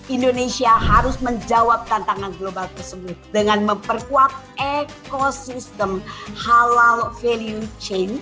indonesia harus menjawab tantangan global tersebut dengan memperkuat ekosistem halal value chain